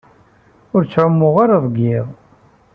Ur ttɛumuɣ ara deg yiḍ.